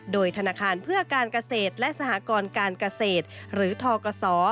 โดยธนาคารเพื่อการเกษตรและสหกรการเกษตรหรือทกศ